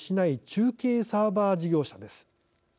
中継サーバー事業者です。